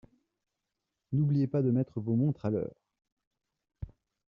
N'oubliez pas de mettre vos montres à l'heure.